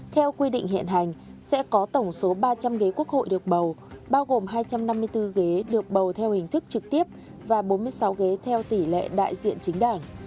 theo quy định hiện hành sẽ có tổng số ba trăm linh ghế quốc hội được bầu bao gồm hai trăm năm mươi bốn ghế được bầu theo hình thức trực tiếp và bốn mươi sáu ghế theo tỷ lệ đại diện chính đảng